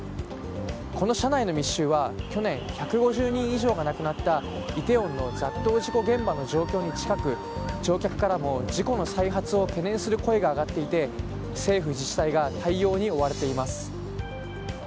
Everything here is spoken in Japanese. この車内の密集は去年、１５０人以上が亡くなったイテウォンの雑踏事故現場の状況に近く乗客からも事故の再発を懸念する声が上がっていて政府、自治体が対応に追われています。